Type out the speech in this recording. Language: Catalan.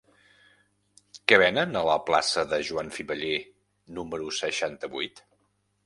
Què venen a la plaça de Joan Fiveller número seixanta-vuit?